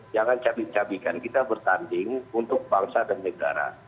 jangan cabi cabikan kita bertanding untuk bangsa dan negara